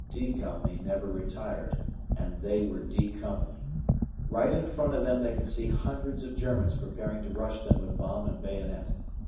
"D" Company never retired, and they were "D" Company. Right in front of them they could see hundreds of Germans preparing to rush them with bomb and bayonet.